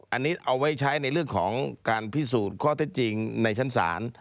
อันนี้เอาไว้ใช้ในเรื่องของการพิสูจน์ข้อเท็จจริงในชั้นศาล